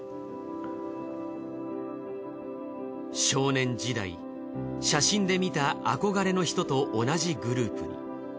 少年時代写真で見た憧れの人と同じグループに。